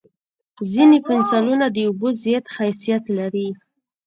ځینې پنسلونه د اوبو ضد خاصیت لري.